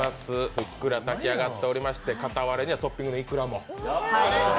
ふっくら炊き上がってまして傍らにはトッピングのいくらも。